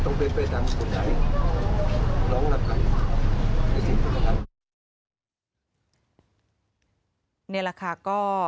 นี่แหละค่ะก็